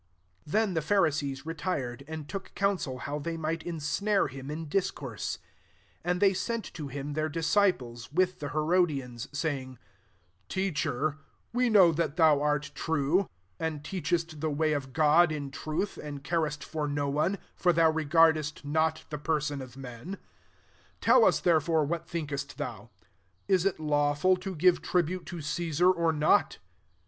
15 Tbeit the Pharisees re tired, and took counsel how th^ might insnare him in discourses* 16 And they sent to him theifl disciples, with the Her3diiaiS|, saying, « Teacher, we know thar thou art true, and teachest the MATTHEW XXII. t» mj of Gpd in truth, and xarest for no one: for thou regardest not the person of men» 1 7 Tell us, therefore, what thinkest thou ? Is it lawful to give tri bute to Cesar, or not